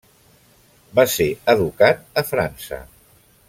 Va ser educat a França.